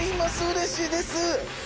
うれしいです。